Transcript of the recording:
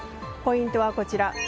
ポイントはこちら。